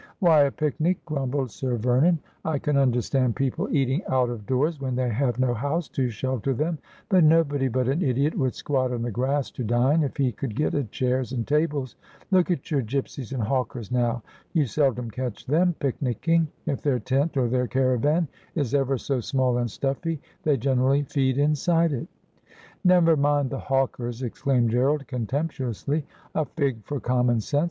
' Why a picnic ?' grumbled Sir Vernon. ' I can understand people eating out of doors when they have no house to shelter them, but nobody but an idiot would squat on the grass to dine if he could get at chairs and tables. Look at your gipsies and hawkers now — you seldom catch them picnicking. If their tent or their caravan is ever so small and stuffy they generally feed inside it.' ' Never mind the hawkers,' exclaimed Gerald contemptu ously. ' A fig for common sense.